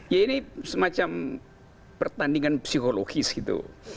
ya ini semacam pertandingan psikologis gitu